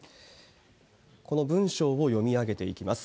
この文章を読み上げていきます。